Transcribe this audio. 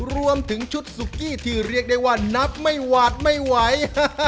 รวมถึงชุดสุกี้ที่เรียกได้ว่านับไม่หวาดไม่ไหว